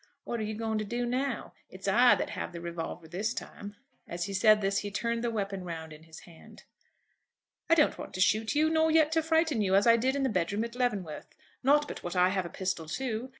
"What are you going to do now? It's I that have the revolver this time." As he said this he turned the weapon round in his hand. "I don't want to shoot you, nor yet to frighten you, as I did in the bed room at Leavenworth. Not but what I have a pistol too."